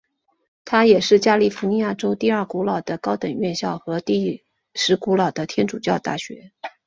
它也是加利福尼亚州第二古老的高等院校和第十古老的天主教大学。